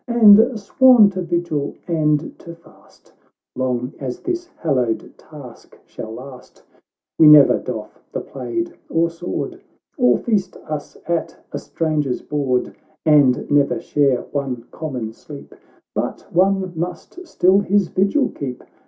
And, sworn to vigil and to fast, Long as this hallowed task shall last, We never doff the plaid or sword, Or feast us at a stranger's board ; And never share one common sleep, But one must still his vigil keep.